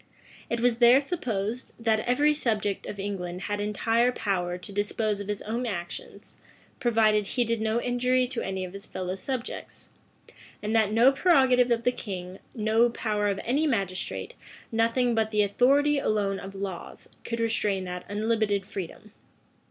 It was there supposed, that every subject of England had entire power to dispose of his own actions, provided he did no injury to any of his fellow subjects; and that no prerogative of the king, no power of any magistrate, nothing but the authority alone of laws, could restrain that unlimited freedom.